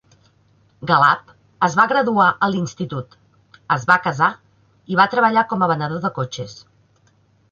Galab es va graduar a l'institut, es va casar i va treballar com a venedor de cotxes.